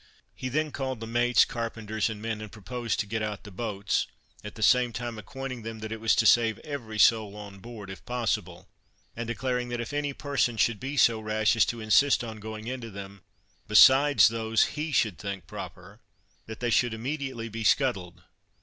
He then called the mates, carpenters and men and proposed to get out the boats, at the same time acquainting them that it was to save every soul on board if possible, and declaring that if any person should be so rash as to insist on going into them, besides those he should think proper, that they should immediately be scuttled.